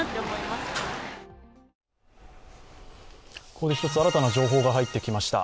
ここで一つ新たな情報が入ってきました。